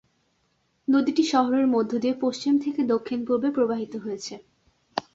নদীটি শহরের মধ্য দিয়ে পশ্চিম থেকে দক্ষিণ-পূর্বে প্রবাহিত হয়েছে।